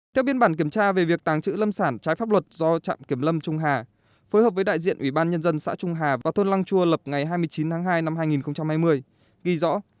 theo biên bản kiểm tra về việc tàng trữ lâm sản trái pháp luật do trạm kiểm lâm trung hà phối hợp với đại diện ủy ban nhân dân xã trung hà và thôn lăng chua lập ngày hai mươi chín tháng hai năm hai nghìn hai mươi ghi rõ